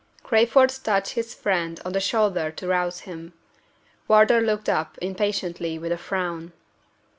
Crayford touched his friend on the shoulder to rouse him. Wardour looked up, impatiently, with a frown.